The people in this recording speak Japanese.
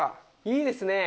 いいですね。